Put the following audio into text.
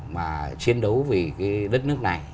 mà chiến đấu vì đất nước này